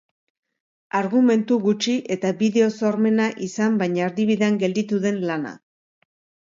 Argumentu gutxi eta bideo sormena izan baina erdibidean gelditu den lana.